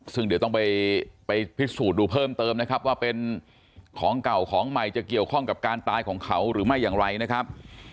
ซึ่งเดี๋ยวต้องไปพิสูจน์ดูเพิ่มเติมนะครับว่าเป็นของเก่าของใหม่จะเกี่ยวข้องกับการตายของเขาหรือไม่อย่างไรนะครับ